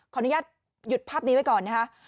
อนุญาตหยุดภาพนี้ไว้ก่อนนะคะ